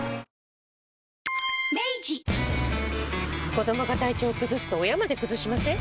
子どもが体調崩すと親まで崩しません？